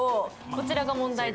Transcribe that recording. こちらが問題でした。